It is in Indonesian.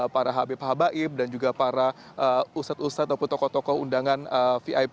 para habib habaib dan juga para ustadz ustadz ataupun tokoh tokoh undangan vip